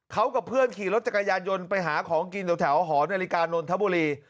เขากับเพื่อนขี่รถจักรยานยนต์ไปหาของกินแถวหอนาฬิกานนทบุรี